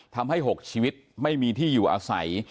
ทำให้๖ชีวิตไม่มีที่อยู่อาศัย